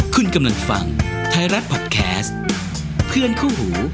คุณกำลังฟังไทยรัฐพอดแคสต์เพื่อนคู่หู